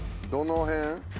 どの辺？